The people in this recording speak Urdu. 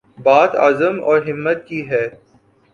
بات عزم اور ہمت کی ہے۔